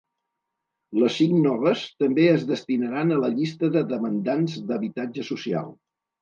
Les cinc noves també es destinaran a la llista de demandants d’habitatge social.